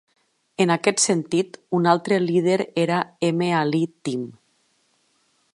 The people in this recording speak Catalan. En aquest sentit, un altre líder era M. Ali Tim.